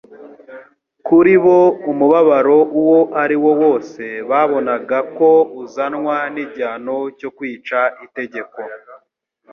Kuri bo umubabaro uwo ari wo wose babonaga ko uzanwa n'igihano cyo kwica itegeko